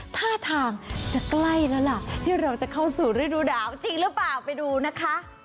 ท่าทางจะใกล้แล้วล่ะที่เราจะเข้าสู่ฤดูหนาวจริงหรือเปล่าไปดูนะคะ